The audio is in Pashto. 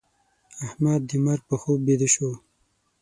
احمد د مرګ په خوب بيده شو.